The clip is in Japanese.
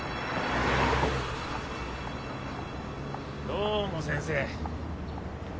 どうも先生。